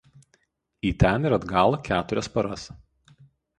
Į ten ir atgal keturias paras